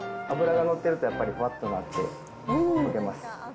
脂が乗ってると、やっぱりふわっとなって、溶けます。